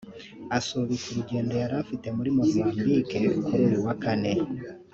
asubika urugendo yari afite muri Mozambique kuri uyu wa Kane